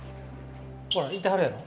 ほらいてはるやろ。